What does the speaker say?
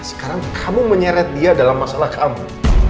sekarang kamu menyeret dia dalam masalah kamu